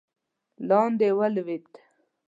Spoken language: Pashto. لاندې ولوېد.